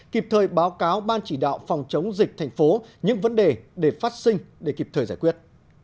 kịp thời báo cáo ban chỉ đạo phòng chống dịch thành phố những vấn đề để phát sinh để kịp thời giải quyết